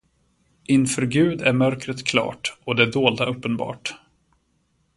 Inför Gud är mörkret klart, Och det dolda uppenbart.